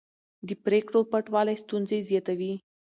د پرېکړو پټوالی ستونزې زیاتوي